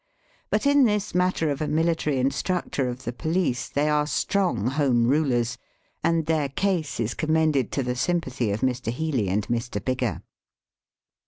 '' But in this matter of a military instructor of the police they are strong Home Eulers, and their case is commended to the sympathy of Mr. Healy and Mr. Biggar.